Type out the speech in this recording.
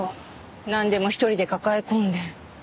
なんでも一人で抱え込んで。